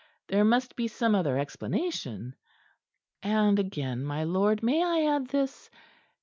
There must be some other explanation. "And again, my lord, may I add this?